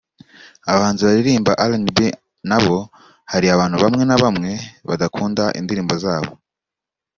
Abahanzi baririmba RnB nabo hari abantu bamwe na bamwe badakunda indirimbo zabo